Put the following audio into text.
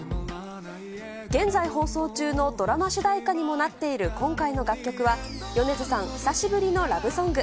現在放送中のドラマ主題歌にもなっている、今回の楽曲は、米津さん久しぶりのラブソング。